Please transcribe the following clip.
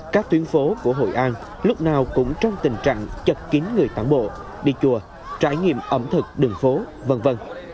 các tuyến phố của hội an lúc nào cũng trong tình trạng chật kín người tảng bộ đi chùa trải nghiệm ẩm thực đường phố v v